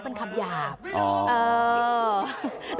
มันเป็นไหมอันนี้